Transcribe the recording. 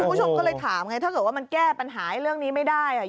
คุณผู้ชมก็เลยถามไงถ้าเกิดว่ามันแก้ปัญหาเรื่องนี้ไม่ได้อ่ะ